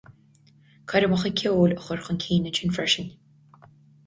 Coirmeacha ceoil a chur chun cinn ansin freisin.